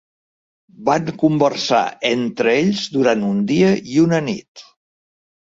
Van conversar entre ells durant un dia i una nit.